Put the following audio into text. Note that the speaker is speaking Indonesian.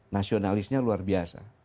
nasionalisnya luar biasa